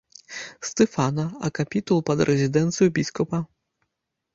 Стэфана, а капітул пад рэзідэнцыю біскупа.